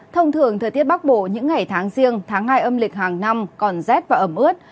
thông thường thời tiết bắc bộ những ngày tháng riêng tháng hai âm lịch hàng năm còn rét và ẩm ướt